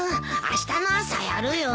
あしたの朝やるよ。